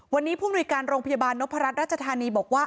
วันนี้ภูมิวิการโรงพยาบาลนพรรดิรัชธานีบอกว่า